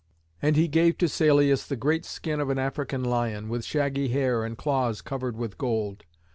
And he gave to Salius the great skin of an African lion, with shaggy hair and claws covered with gold.